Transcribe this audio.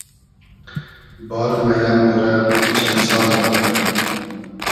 بار مئیۂ مۉرۂ , ای چئن سالۂ مئگئم